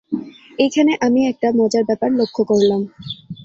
এইখানে আমি একটা মজার ব্যাপার লক্ষ করলাম।